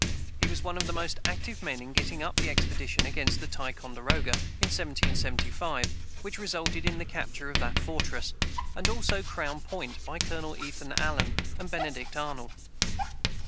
He was one of the most active men in getting up the expedition against Ticonderoga, in 1775, which resulted in the capture of that fortress, and also Crown Point, by Colonel Ethan Allen and Benedict Arnold.